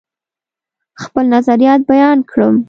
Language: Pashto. خپل نظریات بیان کړم.